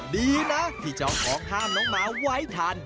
ดีนะที่เจ้าของห้ามน้องหมาไว้ทัน